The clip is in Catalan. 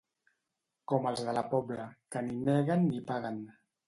Com els de la Pobla, que ni neguen ni paguen.